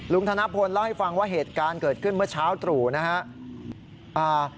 ธนพลเล่าให้ฟังว่าเหตุการณ์เกิดขึ้นเมื่อเช้าตรู่นะครับ